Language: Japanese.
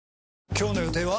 今日の予定は？